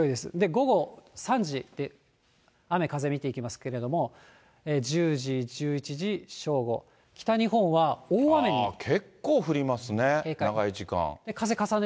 午後３時で雨風見ていきますけれども、１０時、１１時、正午、結構降りますね、長い時間。